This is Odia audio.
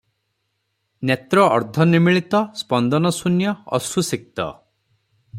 ନେତ୍ର ଅର୍ଦ୍ଧ ନିମୀଳିତ, ସ୍ପନ୍ଦନ ଶୂନ୍ୟ, ଅଶ୍ରୁସିକ୍ତ ।